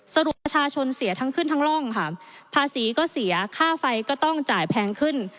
สรุปประชาชนเสียทั้งขึ้นทั้งร่องค่ะภาษีก็เสียค่าไฟก็ต้องจ่ายแพงขึ้น